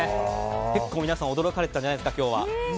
結構、皆さん驚かれたんじゃないですか。